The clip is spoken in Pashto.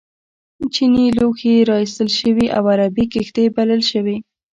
چینی لوښي را ایستل شوي او عربي کښتۍ بلل شوي.